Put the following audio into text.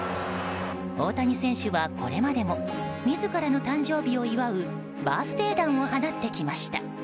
大谷選手はこれまでも自らの誕生日を祝うバースデー弾を放ってきました。